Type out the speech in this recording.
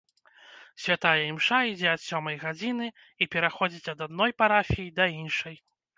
Святая імша ідзе ад сёмай гадзіны і пераходзіць ад адной парафіі да іншай.